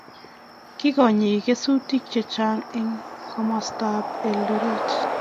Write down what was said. kikonyei kesutik chechang eng komostab Eldoret